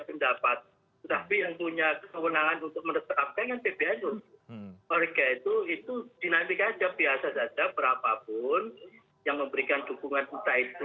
biasa saja berapapun yang memberikan dukungan kita itu